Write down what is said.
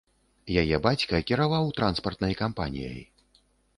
Яе бацька кіраваў транспартнай кампаніяй.